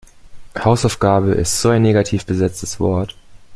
Hausaufgabe ist so ein negativ besetztes Wort.